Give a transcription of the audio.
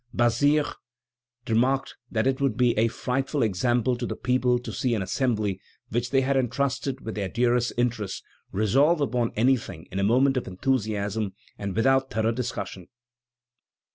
Bazire remarked that it would be a frightful example to the people to see an Assembly which they had entrusted with their dearest interests, resolve upon anything in a moment of enthusiasm and without thorough discussion.